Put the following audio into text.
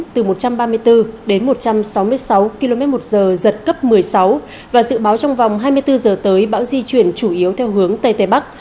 từ một trăm ba mươi bốn đến một trăm sáu mươi sáu km một giờ giật cấp một mươi sáu và dự báo trong vòng hai mươi bốn giờ tới bão di chuyển chủ yếu theo hướng tây tây bắc